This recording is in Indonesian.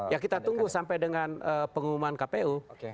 ya kita tunggu sampai dengan pengumuman kpu